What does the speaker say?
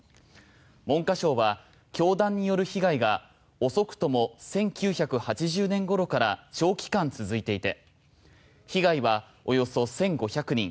文科省は教団による被害が遅くとも１９８０年頃から長期間続いていて被害はおよそ１５００人